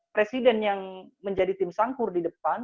presiden yang menjadi tim sangkur di depan